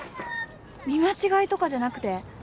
見間違いとかじゃなくて？